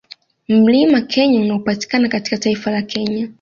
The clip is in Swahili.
Mlima Kenya unaopatikana katika taifa la Kenya